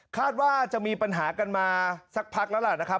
คาดว่าจะมีปัญหากันมาสักพักแล้วล่ะนะครับ